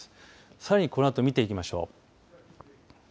さらにこのあと見ていきましょう。